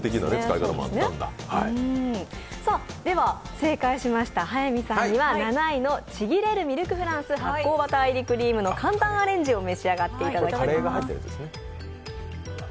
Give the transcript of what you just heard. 正解しました早見さんには７位のちぎれるミルクフランス発酵バター入りクリームの簡単アレンジを召し上がっていただきます。